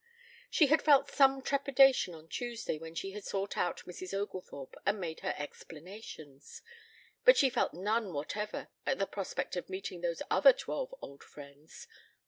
She had felt some trepidation on Tuesday when she had sought out Mrs. Oglethorpe and made her explanations, but she felt none whatever at the prospect of meeting these other twelve old friends.